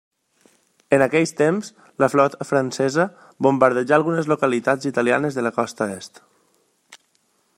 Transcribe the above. En aquells temps, la flota francesa bombardejà algunes localitats italianes de la costa est.